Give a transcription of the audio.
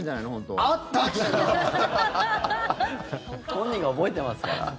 本人が覚えてますから。